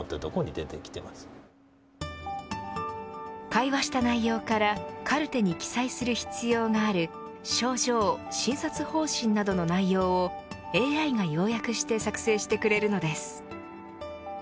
会話した内容からカルテに記載する必要がある症状、診察方針などの内容をＡＩが要約して作成してくれるのです。